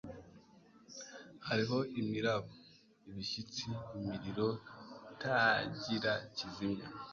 Hariho imiraba, ibishyitsi, imiriro itagira kizimya,